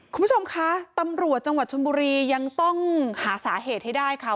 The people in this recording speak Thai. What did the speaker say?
คุณผู้ชมคะตำรวจจังหวัดชนบุรียังต้องหาสาเหตุให้ได้ค่ะ